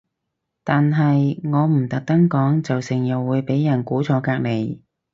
但係我唔特登講就成日會俾人估錯隔離